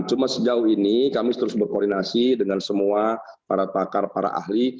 cuma sejauh ini kami terus berkoordinasi dengan semua para pakar para ahli